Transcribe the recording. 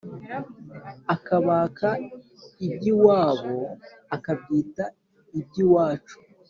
Akabaka iby’iwabo Akabyita iby’iwacu.